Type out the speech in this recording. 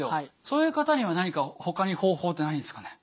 そういう方には何かほかに方法ってないんですかね？